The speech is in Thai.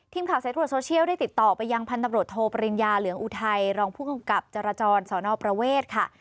ทีมข่าวใส่ตรวจโซเชียลได้ติดต่อไปยังพันธุ์ตำรวจโทรปริญญาเหลืองอู๋ไทยรองผู้กำกับจราจรสอนอประเวทค่ะ